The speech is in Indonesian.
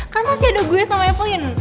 kan masih ada gue sama evelyn